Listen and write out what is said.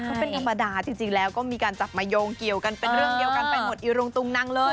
เขาเป็นธรรมดาจริงแล้วก็มีการจับมาโยงเกี่ยวกันเป็นเรื่องเดียวกันไปหมดอีรุงตุงนังเลย